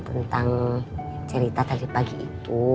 tentang cerita tadi pagi itu